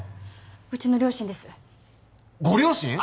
うちの両親ですご両親！？